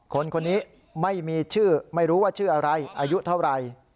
คนนี้ไม่มีชื่อไม่รู้ว่าชื่ออะไรอายุเท่าไหร่